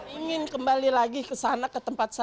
ingin kembali lagi ke sana ke tempatnya